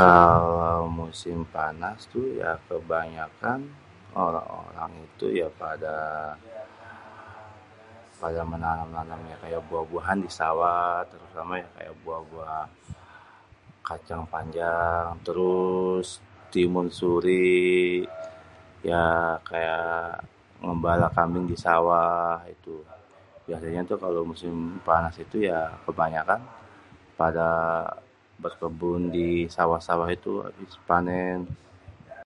Kalau musim panas tuh ya kebanyakan orang-orang itu ya pada nanêm buah-buahan kaya di sawah, terutama kaya buah-buah kacang panjang, terus timun suri, ya kaya ngêmbala kambing di sawah itu biasanya kalo musim panas tuh ya kebanyakan pada berkebun di sawah-sawah itu abis panén.